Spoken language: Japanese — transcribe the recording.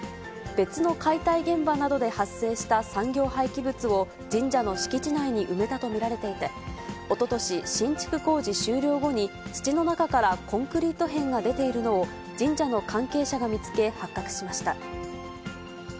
別の解体現場などで発生した産業廃棄物を神社の敷地内に埋めたと見られていて、おととし、新築工事終了後に、土の中からコンクリート片が出ているのを、神社の関係者が見つけ、発覚しました。